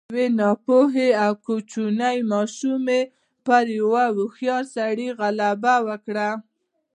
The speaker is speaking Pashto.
يوې ناپوهې او کوچنۍ ماشومې پر يوه هوښيار سړي غلبه وکړه.